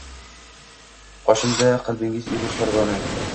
Qoshimda qalbingiz erur parvona